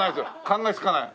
考えつかない。